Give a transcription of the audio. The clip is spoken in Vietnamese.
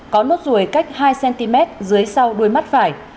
có nốt ruồi cách hai cm dưới sau đuôi mắt phải